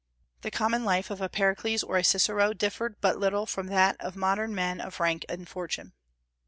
The common life of a Pericles or a Cicero differed but little from that of modern men of rank and fortune.